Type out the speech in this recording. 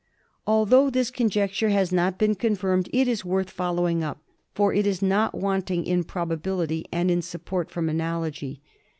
Although this conjecture has not been confirmed it is worth following up, for it is not want ing in probability and in support from analogy.